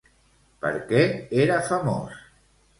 Per què era famós?